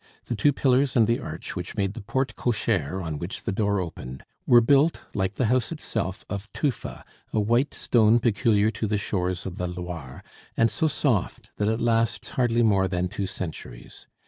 The two pillars and the arch, which made the porte cochere on which the door opened, were built, like the house itself, of tufa, a white stone peculiar to the shores of the Loire, and so soft that it lasts hardly more than two centuries.